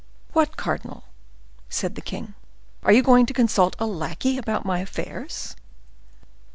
"What, cardinal!" said the king, "are you going to consult a lackey about my affairs?"